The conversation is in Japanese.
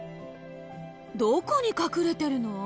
どこに隠れてるの？